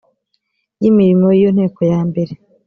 ry imirimo y iyo nteko yambere